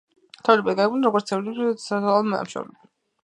თავდაპირველად იგეგმებოდა, როგორც პიტერ ჰემილის სოლო ნამუშევარი.